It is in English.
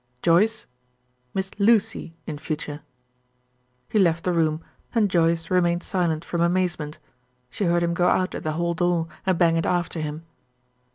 "Joyce Miss Lucy in future." He left the room, and Joyce remained silent from amazement. She heard him go out at the hall door and bang it after him.